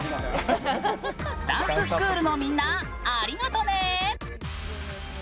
ダンススクールのみんな、ありがとね！